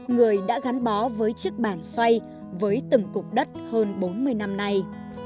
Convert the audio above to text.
người đã gắn bó với chiếc bàn xoay với từng cục đất hơn bốn mươi năm nay